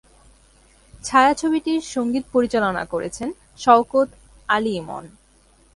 ছায়াছবিটির সঙ্গীত পরিচালনা করেছেন শওকত আলী ইমন।